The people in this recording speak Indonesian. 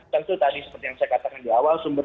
tentu tadi seperti yang saya katakan di awal sumber